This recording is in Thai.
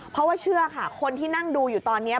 เพราะว่าเชื่อค่ะคนที่นั่งดูอยู่ตอนนี้